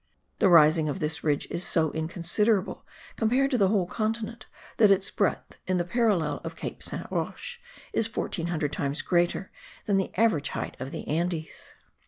The rising of this ridge is so inconsiderable compared to the whole continent that its breadth in the parallel of Cape Saint Roche is 1400 times greater than the average height of the Andes.